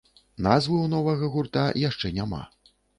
Назвы ў новага гурта яшчэ няма.